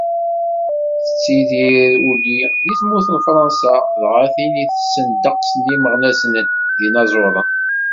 Tettidir Uli di tmurt n Fransa, dɣa din i tessen ddeqs n yimeɣnasen d yinaẓuren.